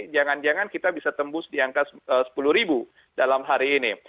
jangan jangan kita bisa tembus di angka sepuluh ribu dalam hari ini